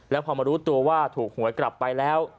แล้วพอมารู้ตัวว่าถูกหวยกลับไปแล้ว